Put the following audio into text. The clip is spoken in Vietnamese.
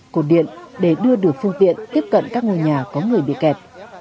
cột điện để đưa được phương tiện tiếp cận các ngôi nhà có người bị kẹt